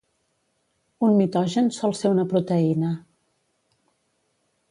Un mitogen sol ser una proteïna.